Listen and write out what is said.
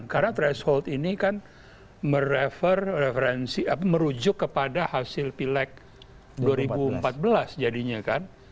karena threshold ini kan merujuk kepada hasil pileg dua ribu empat belas jadinya kan